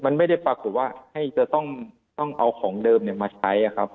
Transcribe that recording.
มันไม่ได้ปรากฏว่าให้จะต้องเอาของเดิมมาใช้ครับ